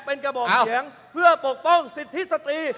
เป็นกระบอกเสียงเพื่อปกป้องสิทธิสตรี